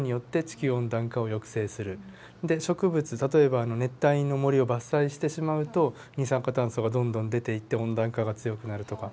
例えば熱帯の森を伐採してしまうと二酸化炭素がどんどん出ていって温暖化が強くなるとか。